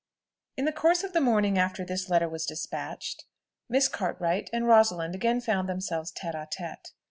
In the course of the morning after this letter was despatched, Miss Cartwright and Rosalind again found themselves tête à tête.